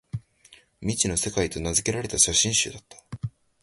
「未知の世界」と名づけられた写真集だった